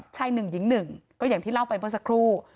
ชายหนึ่งหญิงหนึ่งก็อย่างที่เล่าไปเมื่อสักครู่